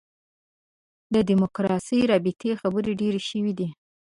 د دین دیموکراسي رابطې خبرې ډېرې شوې دي.